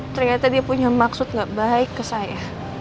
ternyata dia punya maksud gak baik ke saya